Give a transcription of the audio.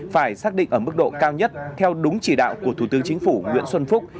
phải xác định ở mức độ cao nhất theo đúng chỉ đạo của thủ tướng chính phủ nguyễn xuân phúc